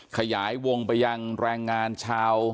ขยายวงไปยังแรงงานชาว